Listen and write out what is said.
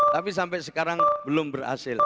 tapi sampai sekarang belum berhasil